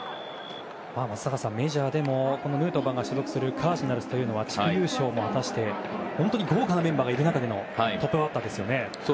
松坂さん、メジャーでもヌートバーが所属するカージナルスは地区優勝を果たし本当に豪華なメンバーがいる中でのトップバッターですよね。